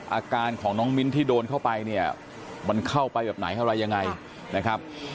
อาการของน้องมิ้นที่โดนเข้าไปเนี่ยมันเข้าไปแบบไหนอะไรยังไงนะครับ